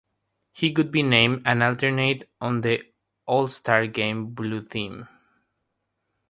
He would be named an alternate on the All-Star game's blue team.